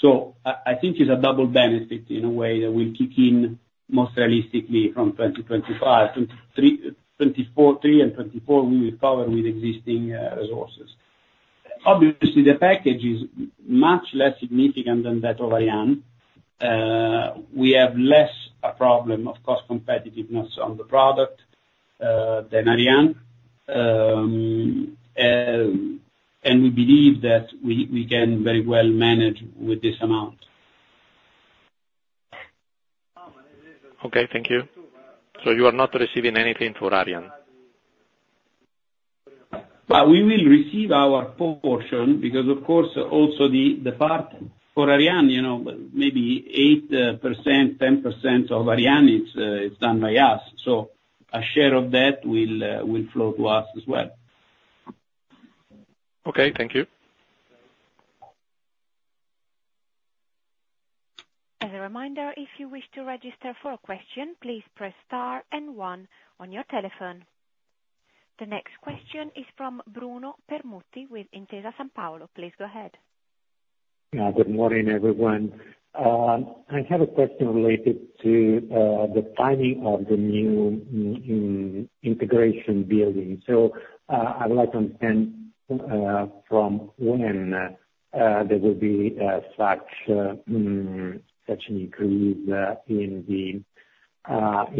So I think it's a double benefit in a way, that will kick in most realistically from 2025. 2023, 2024, 2023 and 2024, we will cover with existing resources. Obviously, the package is much less significant than that of Ariane. We have less a problem of cost competitiveness on the product than Ariane. And we believe that we can very well manage with this amount. Okay, thank you. You are not receiving anything for Ariane? Well, we will receive our portion, because of course, also the part for Ariane, you know, maybe 8%-10% of Ariane, it's done by us, so a share of that will flow to us as well. Okay, thank you. As a reminder, if you wish to register for a question, please press star and one on your telephone. The next question is from Bruno Permutti, with Intesa Sanpaolo. Please go ahead. Good morning, everyone. I have a question related to the timing of the new integration building. So, I would like to understand from when there will be such an increase in the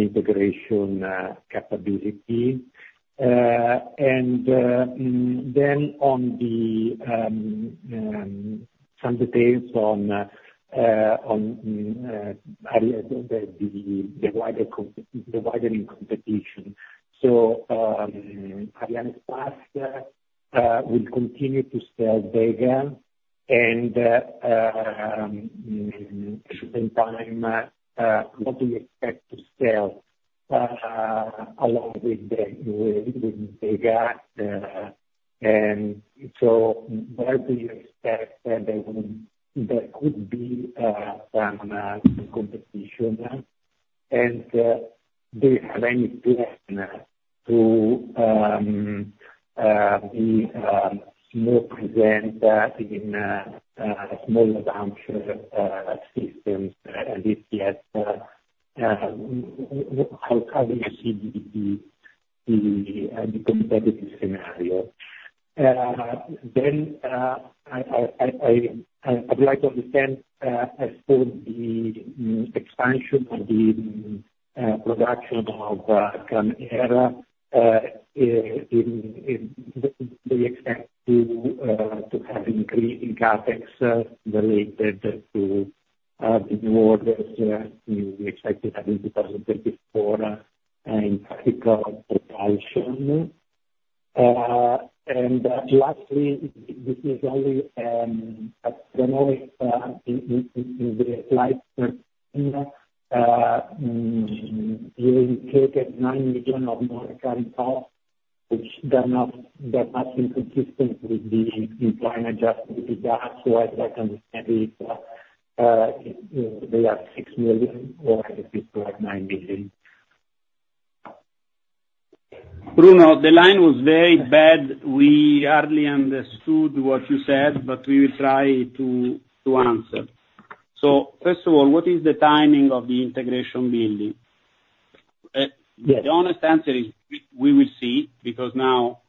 integration capability. And then on some details on the widening competition. So, Arianespace will continue to sell Vega and, in time, what do you expect to sell along with Vega? And so what do you expect, there could be some competition? Do you have any plan to be more present in smaller launcher systems, and if yes, how do you see the competitive scenario? Then, I would like to understand, as for the expansion of the production of Ariane, do you expect to have increase in CapEx related to the new orders you expect to have in 2024, and critical propulsion? And lastly, this is only economic in the slide, you included 9 million more capital, which they're not, that not inconsistent with the employment adjustment you got. So as I understand it, they are 6 million, or if it were 9 million. Bruno, the line was very bad. We hardly understood what you said, but we will try to answer. So first of all, what is the timing of the integration building? Uh, yes. The honest answer is, we will see, because now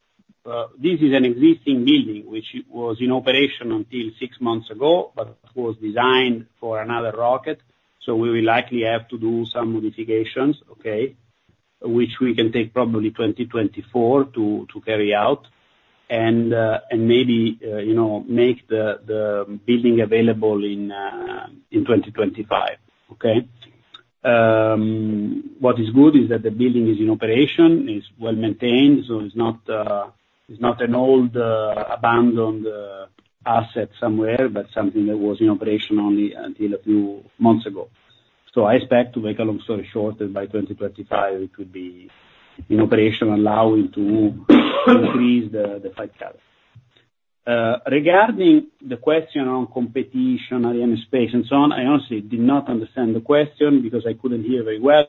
this is an existing building, which it was in operation until six months ago, but was designed for another rocket. So we will likely have to do some modifications, okay? Which we can take probably 2024 to carry out, and maybe, you know, make the building available in 2025. Okay? What is good is that the building is in operation, is well-maintained, so it's not an old abandoned asset somewhere, but something that was in operation only until a few months ago. So I expect, to make a long story short, that by 2025 it will be in operation, allowing to increase the flight path. Regarding the question on competition, Arianespace, and so on, I honestly did not understand the question because I couldn't hear very well.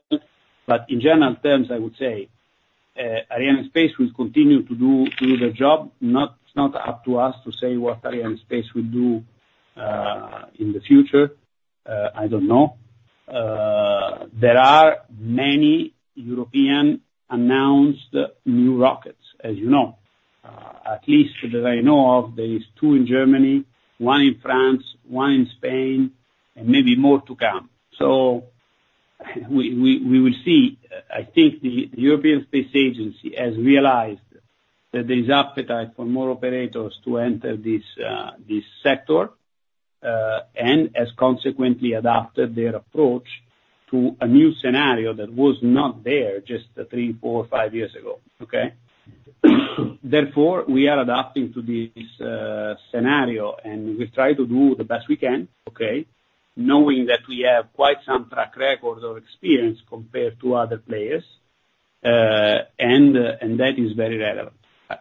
But in general terms, I would say, Arianespace will continue to do the job. It's not up to us to say what Arianespace will do in the future, I don't know. There are many European announced new rockets, as you know. At least that I know of, there is two in Germany, one in France, one in Spain, and maybe more to come. So we will see. I think the European Space Agency has realized that there's appetite for more operators to enter this this sector, and has consequently adapted their approach to a new scenario that was not there just three, four, five years ago. Okay? Therefore, we are adapting to this scenario, and we try to do the best we can, okay? Knowing that we have quite some track record or experience compared to other players, and that is very relevant.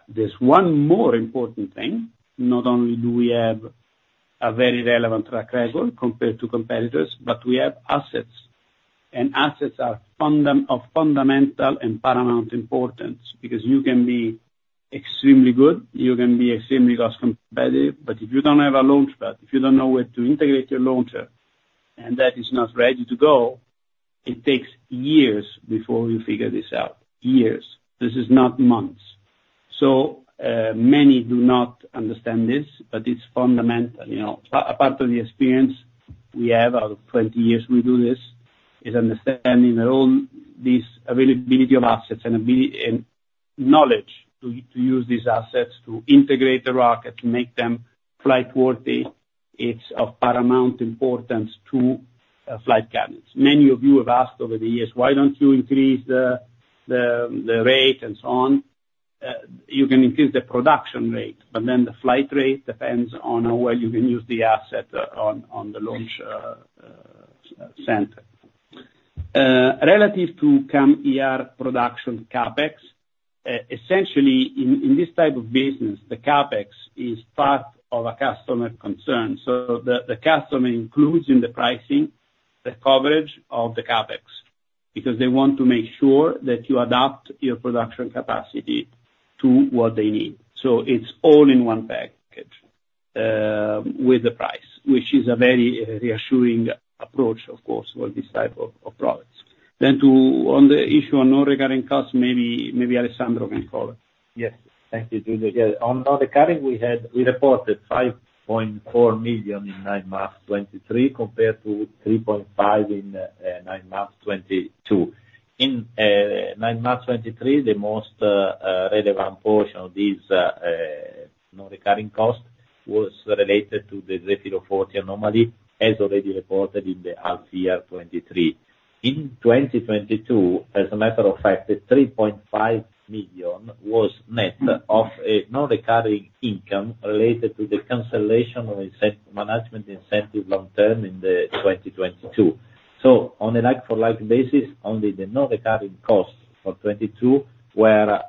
There's one more important thing, not only do we have a very relevant track record compared to competitors, but we have assets. And assets are fundamental and paramount importance, because you can be extremely good, you can be extremely cost competitive, but if you don't have a launch pad, if you don't know where to integrate your launcher, and that is not ready to go, it takes years before you figure this out. Years. This is not months. So, many do not understand this, but it's fundamental, you know. Apart from the experience we have, out of 20 years we do this, is understanding that all these availability of assets and availability and knowledge to use these assets, to integrate the rocket, to make them flight worthy, it's of paramount importance to flight cadence. Many of you have asked over the years: Why don't you increase the rate, and so on? You can increase the production rate, but then the flight rate depends on where you can use the asset on the launch center. Relative to CAMM-ER production CapEx, essentially, in this type of business, the CapEx is part of a customer concern. So the customer includes in the pricing, the coverage of the CapEx, because they want to make sure that you adapt your production capacity to what they need. So it's all in one package with the price, which is a very reassuring approach, of course, for this type of products. Then on the issue of non-recurring costs, maybe Alessandro can call it. Yes, thank you, Giulio. Yeah, on non-recurring, we reported 5.4 million in nine months 2023, compared to 3.5 million in nine months 2022. In nine months 2023, the most relevant portion of this non-recurring cost was related to the Zefiro-40 anomaly, as already reported in the half year 2023. In 2022, as a matter of fact, the 3.5 million was net of a non-recurring income related to the cancellation of management incentive long term in the 2022. So on a like for like basis, only the non-recurring costs for 2022 were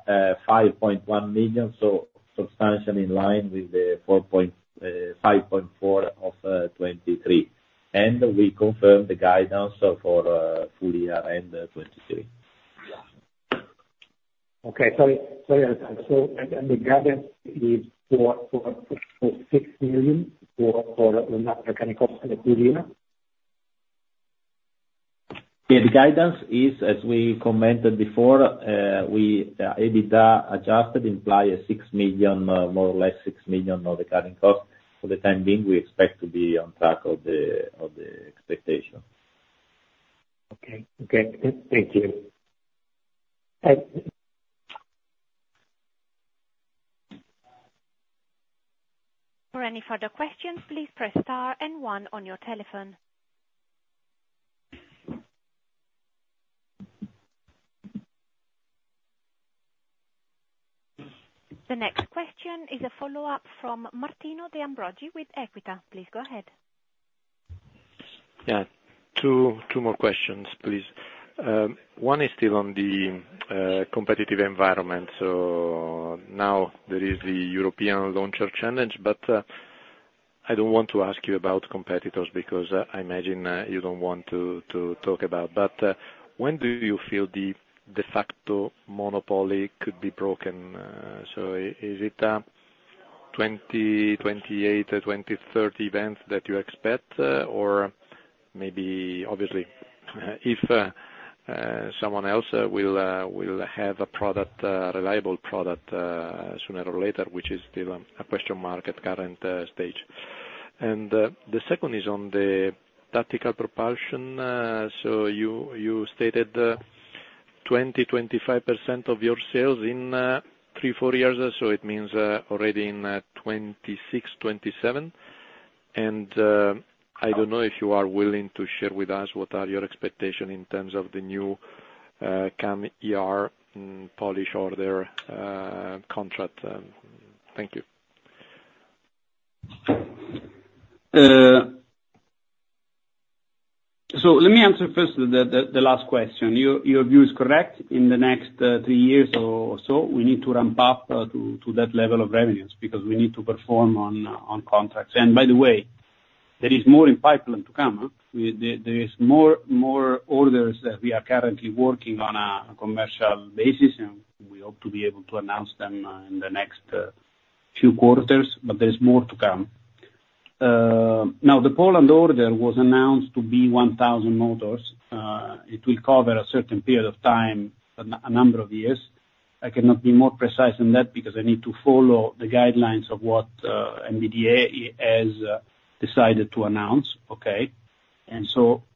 5.1 million, so substantially in line with the 5.4 of 2023. We confirm the guidance for full year end 2023. Okay. Sorry, sorry, Alessandro. So, the guidance is for 6 million for non-recurring costs in the full year? Yeah, the guidance is, as we commented before, we, EBITDA adjusted imply a 6 million, more or less 6 million non-recurring cost. For the time being, we expect to be on track of the, of the expectation. Okay. Okay, thank you. Bye. For any further questions, please press star and one on your telephone. The next question is a follow-up from Martino De Ambroggi with Equita. Please go ahead. Yeah, two more questions, please. One is still on the competitive environment. So now there is the European Launcher Challenge, but I don't want to ask you about competitors, because I imagine you don't want to talk about. But when do you feel the de facto monopoly could be broken? So is it a 2028 or 2030 event that you expect? Or maybe obviously, if someone else will have a product, reliable product, sooner or later, which is still a question mark at current stage. And the second is on the tactical propulsion, so you stated 25% of your sales in three, four years, so it means already in 2026, 2027. I don't know if you are willing to share with us what are your expectation in terms of the new CAMM-ER Polish order, contract. Thank you. So let me answer first the last question. Your view is correct. In the next three years or so, we need to ramp up to that level of revenues, because we need to perform on contracts. And by the way, there is more in pipeline to come, huh? There is more orders that we are currently working on a commercial basis, and we hope to be able to announce them in the next few quarters, but there's more to come. Now, the Poland order was announced to be 1,000 motors. It will cover a certain period of time, a number of years. I cannot be more precise than that because I need to follow the guidelines of what MBDA has decided to announce. Okay?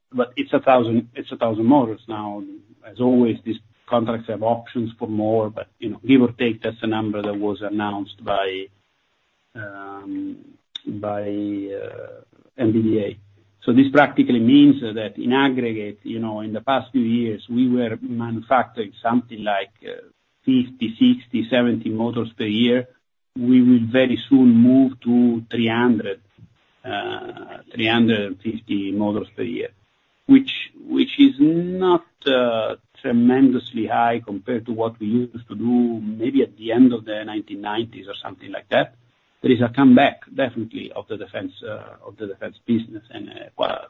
But it's a thousand, it's a thousand motors now. As always, these contracts have options for more, but, you know, give or take, that's the number that was announced by MBDA. So this practically means that in aggregate, you know, in the past few years, we were manufacturing something like 50, 60, 70 motors per year. We will very soon move to 300, 350 motors per year, which is not tremendously high compared to what we used to do, maybe at the end of the 1990s or something like that. There is a comeback, definitely, of the defense business, and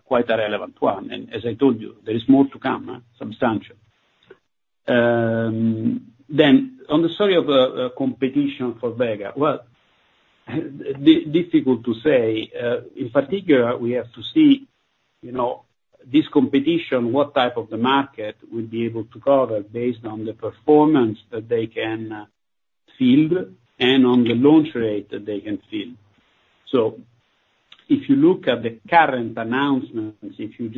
quite a relevant one. And as I told you, there is more to come, substantial. Then, on the story of competition for Vega, well, difficult to say. In particular, we have to see, you know, this competition, what type of the market we'll be able to cover based on the performance that they can field, and on the launch rate that they can field. So if you look at the current announcements, if you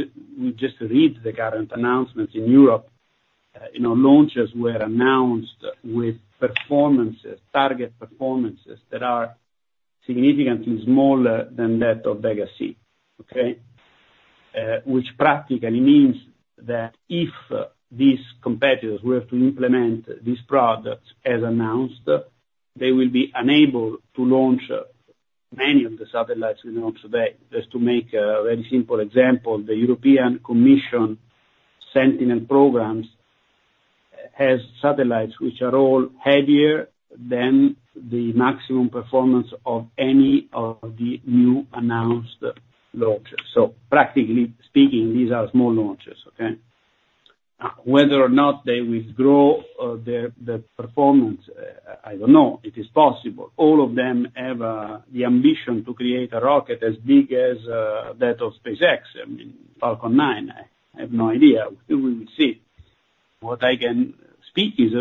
just read the current announcements in Europe, you know, launches were announced with performances, target performances, that are significantly smaller than that of Vega C. Okay? Which practically means that if these competitors were to implement these products as announced, they will be unable to launch many of the satellites we know today. Just to make a very simple example, the European Commission Sentinel programs has satellites which are all heavier than the maximum performance of any of the new announced launches. So practically speaking, these are small launches, okay? Whether or not they withdraw their performance, I don't know. It is possible. All of them have the ambition to create a rocket as big as that of SpaceX, I mean, Falcon 9. I have no idea. We will see. What I can speak is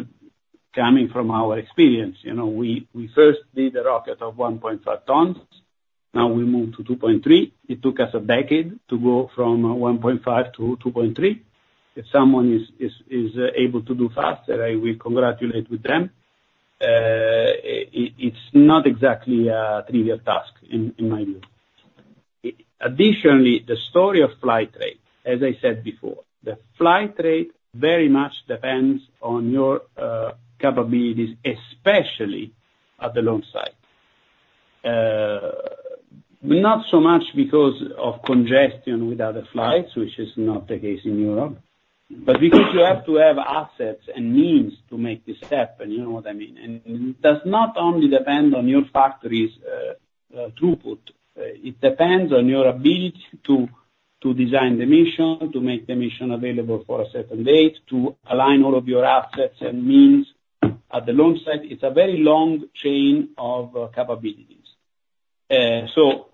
coming from our experience. You know, we first did a rocket of 1.5 tons, now we moved to 2.3 tons. It took us a decade to go from 1.5 tons-2.3 tons. If someone is able to do faster, I will congratulate them. It's not exactly a trivial task in my view. Additionally, the story of flight rate, as I said before, the flight rate very much depends on your capabilities, especially at the launch site. Not so much because of congestion with other flights, which is not the case in Europe, but because you have to have assets and means to make this happen. You know what I mean? And it does not only depend on your factory's throughput, it depends on your ability to design the mission, to make the mission available for a certain date, to align all of your assets and means at the launch site. It's a very long chain of capabilities. So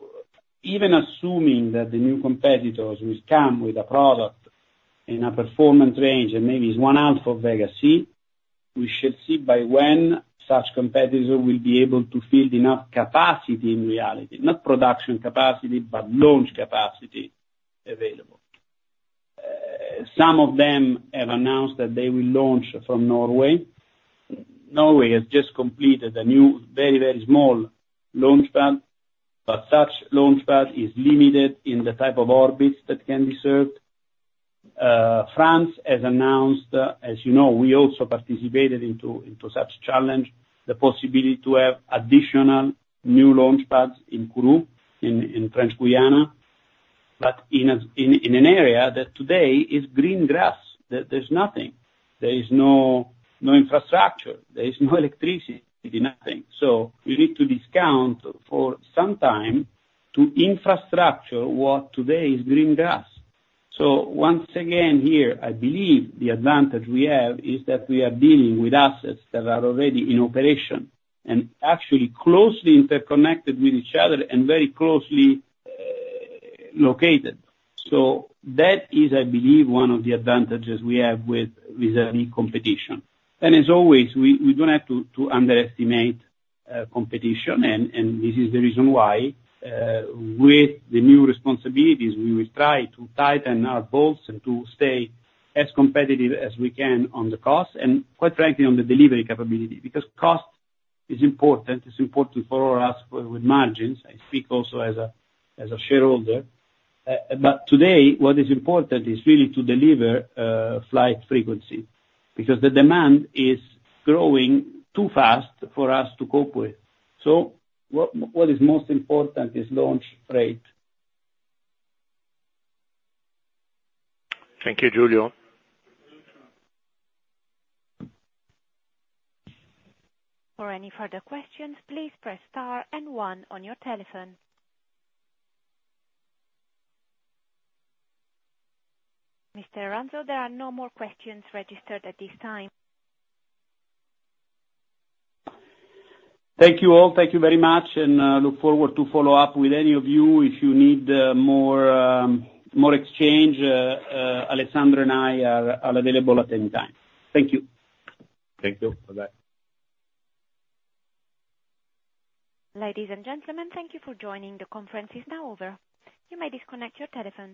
even assuming that the new competitors will come with a product in a performance range, and maybe it's one out for Vega C, we should see by when such competitor will be able to build enough capacity in reality, not production capacity, but launch capacity available. Some of them have announced that they will launch from Norway. Norway has just completed a new, very, very small launch pad, but such launch pad is limited in the type of orbits that can be served. France has announced, as you know, we also participated into such challenge, the possibility to have additional new launch pads in Kourou, in French Guiana, but in an area that today is green grass. There’s nothing. There is no infrastructure, there is no electricity, nothing. So we need to discount for some time to infrastructure what today is green grass. So once again, here, I believe the advantage we have is that we are dealing with assets that are already in operation, and actually closely interconnected with each other and very closely located. So that is, I believe, one of the advantages we have with any competition. And as always, we don't have to underestimate competition, and this is the reason why, with the new responsibilities, we will try to tighten our bolts and to stay as competitive as we can on the cost, and quite frankly, on the delivery capability. Because cost is important. It's important for us with margins, I speak also as a shareholder. But today, what is important is really to deliver flight frequency, because the demand is growing too fast for us to cope with. So what is most important is launch rate. Thank you, Giulio. For any further questions, please press star and one on your telephone. Mr. Ranzo, there are no more questions registered at this time. Thank you, all. Thank you very much, and look forward to follow up with any of you. If you need more exchange, Alessandro and I are available at any time. Thank you. Thank you. Bye-bye. Ladies and gentlemen, thank you for joining. The conference is now over. You may disconnect your telephones.